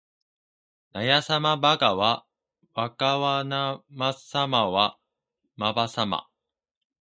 なやさまばがはわかわなまさまはまばさま